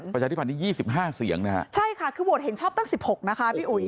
ประชาธิบัณที่๒๕เสียงนะฮะใช่ค่ะคือโหวตเห็นชอบตั้ง๑๖นะคะพี่อุ๋ย